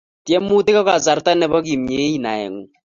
Tiemutik ko kasarta ne bo kemieit naengung